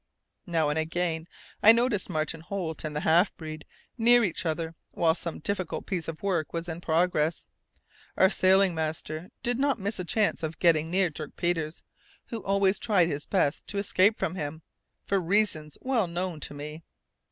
Now and again I noticed Martin Holt and the half breed near each other while some difficult piece of work was in progress. Our sailing master did not miss a chance of getting near Dirk Peters, who always tried his best to escape from him, for reasons well known to me.